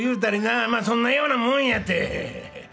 まそんなようなもんやて。